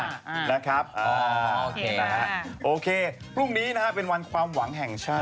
โอเคนะฮะโอเคพรุ่งนี้นะฮะเป็นวันความหวังแห่งชาติ